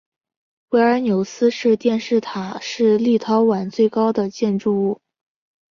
维尔纽斯电视塔是立陶宛最高的建筑物。